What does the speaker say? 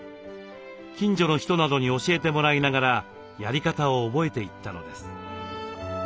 近所の人などに教えてもらいながらやり方を覚えていったのです。